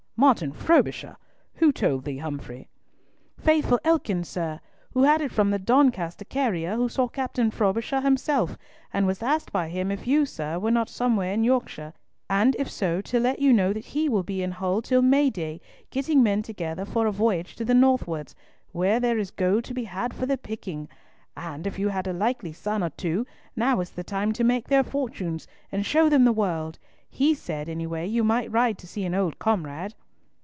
Martin Frobisher! Who told thee, Humfrey?" "Faithful Ekins, sir, who had it from the Doncaster carrier, who saw Captain Frobisher himself, and was asked by him if you, sir, were not somewhere in Yorkshire, and if so, to let you know that he will be in Hull till May day, getting men together for a voyage to the northwards, where there is gold to be had for the picking—and if you had a likely son or two, now was the time to make their fortunes, and show them the world. He said, any way you might ride to see an old comrade."